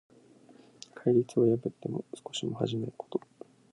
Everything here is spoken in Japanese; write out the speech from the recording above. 戒律を破っても少しも恥じないこと。